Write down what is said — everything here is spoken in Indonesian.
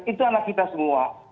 itu anak kita semua